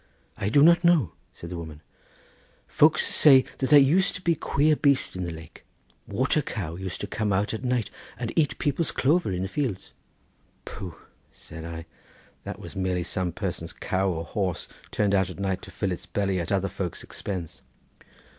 "I do not know," said the woman; "folks say that there used to be queer beast in the lake, water cow used to come out at night and eat people's clover in the fields." "Pooh," said I, "that was merely some person's cow or horse, turned out at night to fill its belly at other folks' expense."